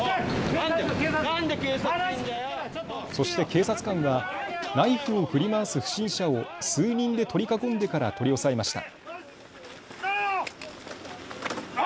そして警察官はナイフを振り回す不審者を数人で取り囲んでから取り押さえました。